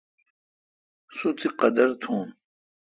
سو تی قادر تھون۔